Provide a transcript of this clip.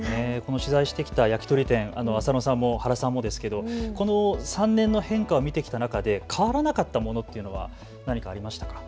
取材してきた焼き鳥店、浅野さんも原さんもこの３年の変化を見てきた中で変わらなかったものというのは何かありましたか。